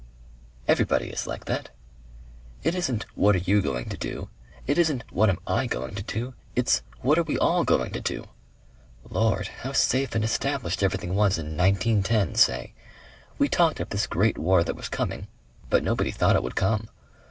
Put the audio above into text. "Everybody is like that...it isn't what are you going to do? It isn't what am I going to do? It's what are we all going to do!... Lord! How safe and established everything was in 1910, say. We talked of this great war that was coming, but nobody thought it would come.